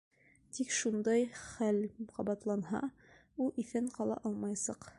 Тик шундай хәл ҡабатланһа, ул иҫән ҡала алмаясаҡ.